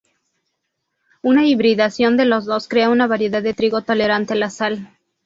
Una hibridación de los dos crea una variedad de trigo tolerante a la sal.